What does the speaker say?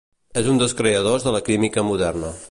És un dels creadors de la química moderna.